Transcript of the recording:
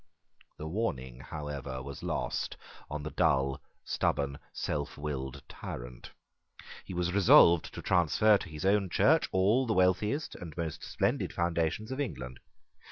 The warning, however, was lost on the dull, stubborn, self willed tyrant. He was resolved to transfer to his own Church all the wealthiest and most splendid foundations of England.